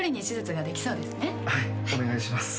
はいお願いします。